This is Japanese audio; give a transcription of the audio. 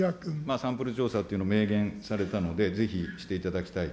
サンプル調査というのを明言されたので、ぜひしていただきたいと。